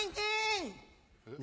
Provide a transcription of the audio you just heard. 何？